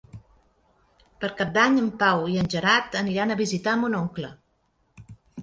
Per Cap d'Any en Pau i en Gerard aniran a visitar mon oncle.